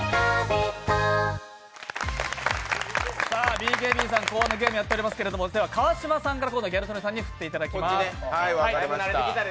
ＢＫＢさん考案のゲームやっていますけれども川島さんからギャル曽根さんに振っていただきます。